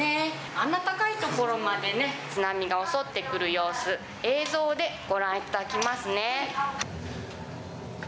あんな高いところまでね、津波が襲ってくる様子、映像でご覧いただきますね。